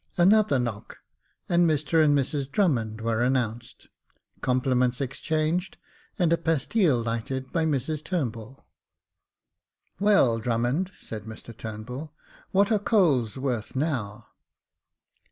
Another knock, and Mr and Mrs Drummond were announced. Compli ments exchanged, and a pastile lighted by Mrs Turnbull. " Well, Drummond," said Mr Turnbull, *' what are coals worth now